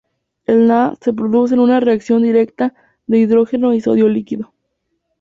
El NaH se produce en una reacción directa de hidrógeno y sodio líquido.